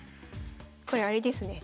これあれですね